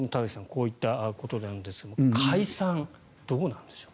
こういったことなんですが解散、どうなんでしょう。